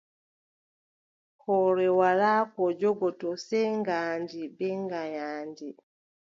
Hoore walaa ko jogotoo, sey ngaandi bee nganyaandi.